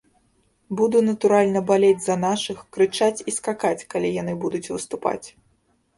Буду, натуральна, балець за нашых, крычаць і скакаць, калі яны будуць выступаць.